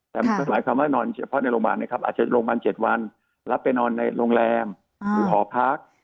แต่หมายความว่านอนเฉพาะในโรงพยาบาลนะครับอาจจะโรงพยาบาล๗วันรับไปนอนในโรงแรมหรือหอพัก